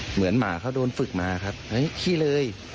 เหมือนหมาเขาโดนฝึกมาครับขี้เลย